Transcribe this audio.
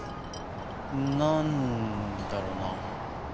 なんだろうな。